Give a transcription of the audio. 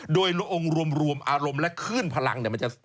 โดยโรงรวมอารมณ์และขึ้นพลังนี่มันจะ